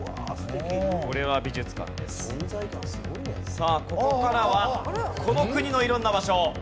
さあここからはこの国の色んな場所。